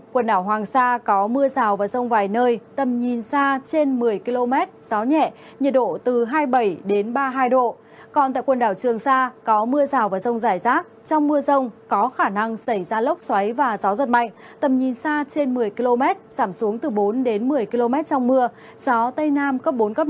khu vực hà nội mây thay đổi có mưa rào vài nơi ngày nắng nóng gió đông nam cấp hai cấp ba